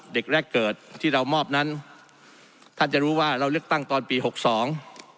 เด็กแรกเกิดที่เรามอบนั้นท่านจะรู้ว่าเราเลือกตั้งตอนปีหกสอง